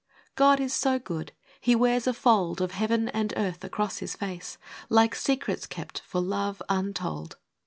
hi. God is so good, He wears a fold Of Heaven and earth acrosfe His face, — Like secrets kept, for love, untold.